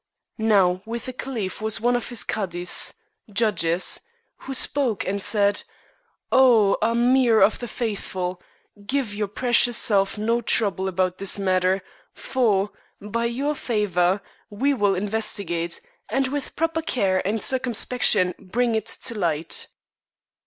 Now with the caliph was one of his cadis (judges), who spoke and said, " Oh ! Ameer of the Faithful, give your precious self no trouble about this matter, for, by your favor, we will investigate, and with proper care and cir cumspection bring it to light."